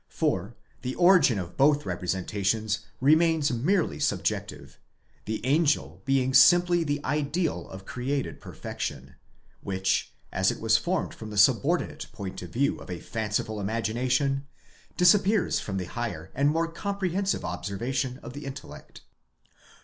For, the origin of both representations remains merely subjective, the angel being simply the ideal of created perfection : which, as it was formed from the subordinate point of view of a fanciful imagination, disappears from the higher and more comprehensive observation of the intellect.